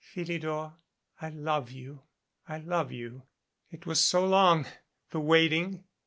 "Philidor, I love you I love you. It was so long the waiting."